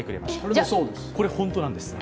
これ、本当なんです。